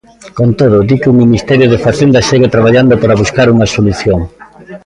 Con todo, di que o Ministerio de Facenda segue traballando para buscar unha solución.